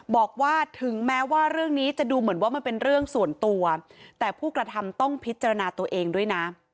บอกว่าถึงแม้ว่าเรื่องนี้จะดูเหมือนว่ามันเป็นเรื่องส่วนตัวแต่ผู้กระทำต้องพิจารณาตัวเองด้วยนะ